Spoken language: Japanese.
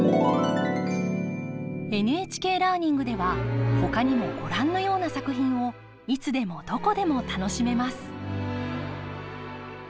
ＮＨＫラーニングではほかにもご覧のような作品をいつでもどこでも楽しめます！